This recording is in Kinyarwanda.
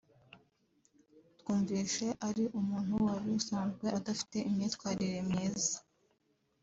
twumvishe ari umuntu wari usanzwe adafite imyitwarire myiza